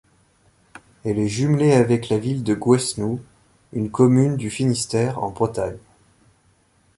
Elle est jumelée avec la ville de Gouesnou, une commune du Finistère en Bretagne.